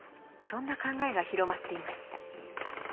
そんな考えが広まっていました。